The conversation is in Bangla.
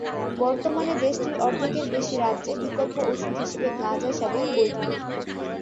বর্তমানে দেশটির অর্ধেকের বেশি রাজ্যে বিকল্প ওষুধ হিসেবে গাঁজা সেবন বৈধ।